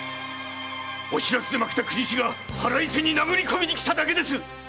お白州で負けた公事師が腹いせに殴り込みに来ただけです！